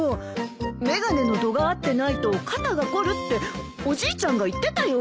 眼鏡の度が合ってないと肩が凝るっておじいちゃんが言ってたよ。